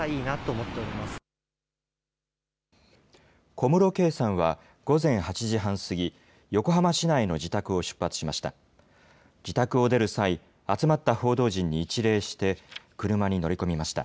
小室圭さんは、午前８時半過ぎ、横浜市内の自宅を出発しました。